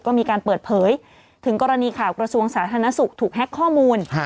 ก็มีการเปิดเผยถึงกรณีข่าวกระทรวงสาธารณสุขถูกแฮ็กข้อมูล